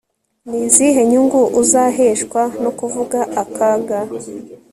ni izihe nyungu uzaheshwa no kuvuga akaga